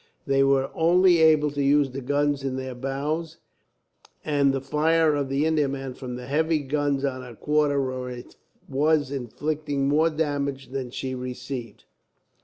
They were only able to use the guns in their bows, and the fire of the Indiaman from the heavy guns on her quarter was inflicting more damage than she received.